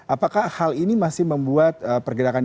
apakah hal ini masih membuat pergerakan